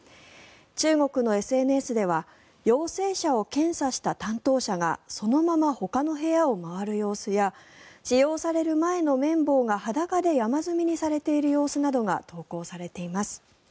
中国のＳＮＳでは陽性者を検査した担当者がそのままほかの部屋を回る様子や使用される前の綿棒が裸で山積みにされている様子などが投稿されています。